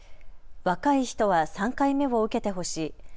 若い人は３回目を受けてほしい。